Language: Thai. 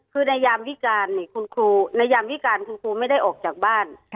คือในยามวิการคุณครูไม่ได้ออกจากบ้าน